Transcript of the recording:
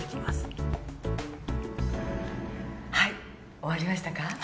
はい終わりましたか？